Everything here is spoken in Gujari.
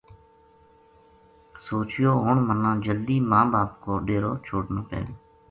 سوچیو ہن مناں جلدی ماں باپ کو ڈیرو چھوڈنو پے گو